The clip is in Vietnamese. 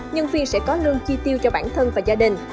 nhân viên sẽ có lương chi tiêu cho bản thân và gia đình